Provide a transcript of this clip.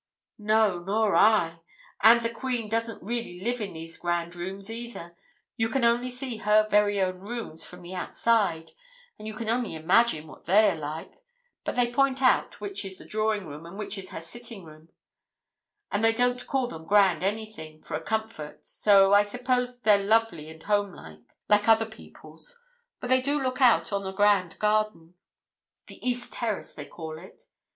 "No, nor I; and the Queen doesn't really live in these grand rooms, either. You can only see her very own rooms from the outside, and you can only imagine what they are like; but they point out which is the drawing room and which is her sitting room, and they don't call them grand anything, for a comfort, so I suppose they're lovely and homelike, like other people's; but they do look out on a grand garden the East Terrace they call it.